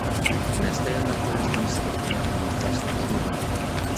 Mieste yra turistams skirta infrastruktūra.